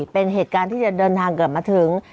เป็นเหตุการณ์ที่จะเดินทางกลับมาถึง